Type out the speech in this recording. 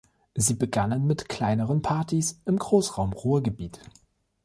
Sie begannen mit kleineren Partys im Großraum Ruhrgebiet.